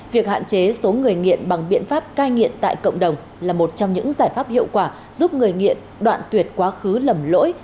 việc hạn chế số người nghiện bằng biện pháp cai nghiện tại cộng đồng là một trong những giải pháp hiệu quả giúp người nghiện đoạn tuyệt quá khứ lầm lỗi